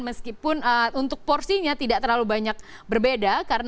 meskipun untuk porsinya tidak terlalu banyak berbeda